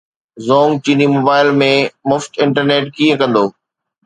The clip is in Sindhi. زونگ چيني موبائيل ۾ مفت انٽرنيٽ ڪيئن ڪندو